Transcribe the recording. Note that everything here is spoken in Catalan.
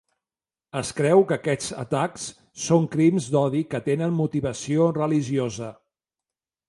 Es creu que aquests atacs són crims d'odi que tenen motivació religiosa.